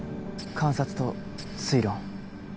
観察と推論。